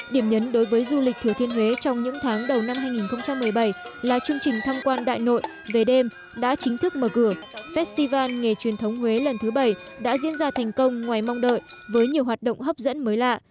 điểm nhấn đối với du lịch thừa thiên huế trong những tháng đầu năm hai nghìn một mươi bảy là chương trình thăm quan đại nội về đêm đã chính thức mở cửa festival nghề truyền thống huế lần thứ bảy đã diễn ra thành công ngoài mong đợi với nhiều hoạt động hấp dẫn mới lạ